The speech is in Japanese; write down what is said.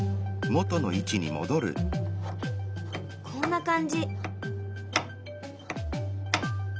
こんな感じ。